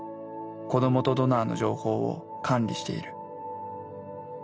子どもとドナーの情報を管理している。